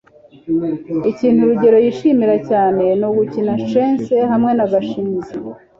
ikintu rugeyo yishimira cyane ni ugukina chess hamwe na gashinzi